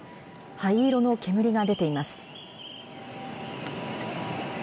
灰色の煙が出ています。